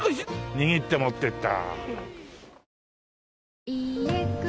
握って持ってった。